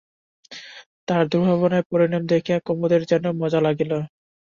তাহার দুর্ভাবনার পরিণাম দেখিয়া কুমুদের যেন মজা লাগিল।